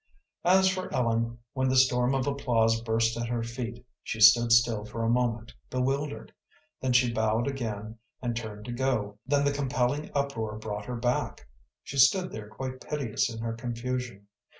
As for Ellen, when the storm of applause burst at her feet, she stood still for a moment bewildered. Then she bowed again and turned to go, then the compelling uproar brought her back. She stood there quite piteous in her confusion.